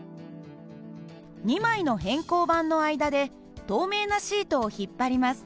２枚の偏光板の間で透明なシートを引っ張ります。